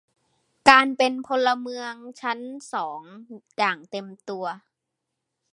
การเป็นพลเมืองชั้นสองอย่างเต็มตัว